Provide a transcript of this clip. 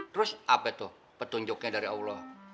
terus apa tuh petunjuknya dari allah